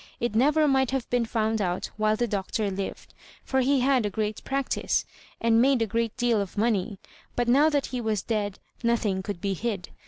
It never might have been found out while the Doctor livwl, for he had a great practice, and made a great deal of money; but now that he was dead, nothing could be hid.